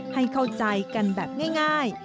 ให้เข้าใจกันแบบง่าย